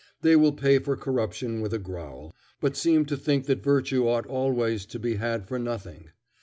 They will pay for corruption with a growl, but seem to think that virtue ought always to be had for nothing.